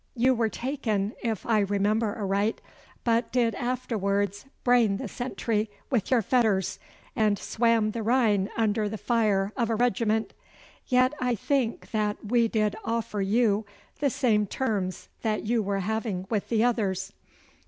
You were taken, if I remember aright, but did afterwards brain the sentry with your fetters, and swam the Rhine under the fire of a regiment. Yet, I think that we did offer you the same terms that you were having with the others.